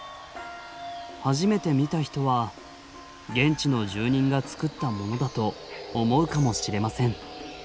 初めて見た人は現地の住人が作ったものだと思うかもしれません。